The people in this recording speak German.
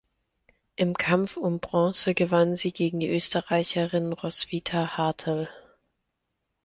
Im Kampf um Bronze gewann sie gegen die Österreicherin Roswitha Hartl.